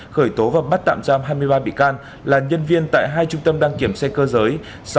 khởi tố và bắt tạm giam hai mươi ba bị can là nhân viên tại hai trung tâm đăng kiểm xe cơ giới